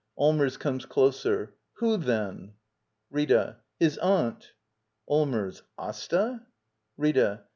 Allmers. [Comes closer.] Who, then? Rita. .His aunt. Allmers. Astal Rita.